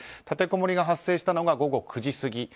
立てこもりが発生したのが午後９時過ぎ。